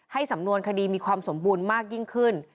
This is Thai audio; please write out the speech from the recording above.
สำนวนคดีมีความสมบูรณ์มากยิ่งขึ้น